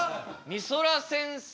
みそら先生。